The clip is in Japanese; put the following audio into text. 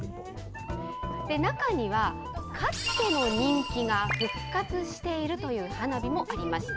中には、かつての人気が復活しているという花火もありました。